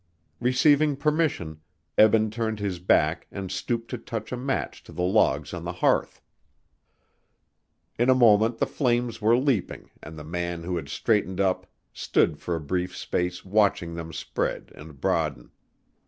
Receiving permission, Eben turned his back and stooped to touch a match to the logs on the hearth. In a moment the flames were leaping and the man who had straightened up stood for a brief space watching them spread and broaden.